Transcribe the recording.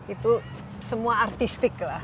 itu semua artistik